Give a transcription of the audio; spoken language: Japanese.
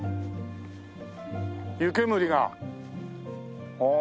湯煙がああ。